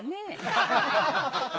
ハハハハ！